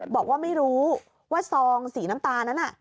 บอกว่าไม่รู้ว่าซองสีน้ำตาลนั้นน่ะ